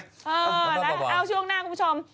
เออช่วงหน้าคุณผู้ชม